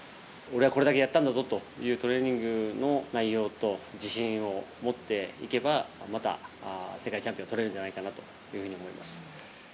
俺はこれだけやったんだぞというトレーニングの内容と自信を持っていけば、また世界チャンピオン取れるんじゃないかなと思います。